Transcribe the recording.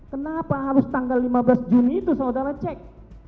kenapa harus tanggal lima belas juni itu saudara cek